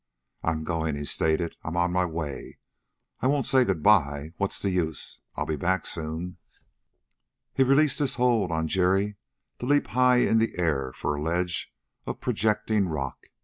"I'm going," he stated. "I'm on my way. I won't say good by; what's the use I'll be back soon!" He released his hold on Jerry to leap high in the air for a ledge of projecting rock.